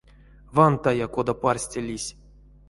Вантая, кода парсте лиссь!